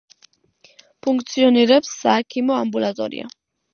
ფუნქციონირებს საექიმო ამბულატორია.